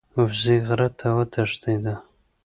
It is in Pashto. وزې غره ته وتښتیده.